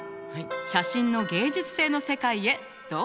写真の芸術性の世界へどうぞ。